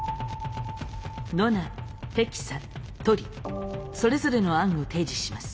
ノナヘキサトリそれぞれの案を提示します。